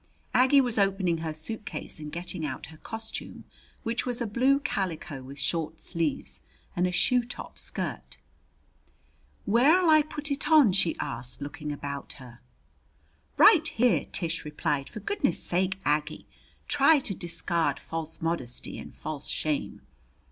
Aggie was opening her suitcase and getting out her costume, which was a blue calico with short sleeves and a shoe top skirt. "Where'll I put it on?" she asked, looking about her. "Right here!" Tish replied. "For goodness sake, Aggie, try to discard false modesty and false shame.